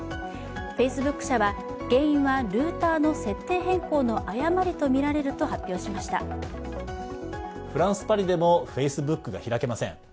フェイスブック社は原因はルーターの設定変更の誤りとみられると発表しましたフランス・パリでもＦａｃｅｂｏｏｋが開けません。